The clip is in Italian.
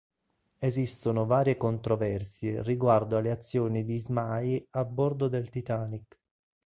Esistono varie controversie riguardo alle azioni di Ismay a bordo del "Titanic".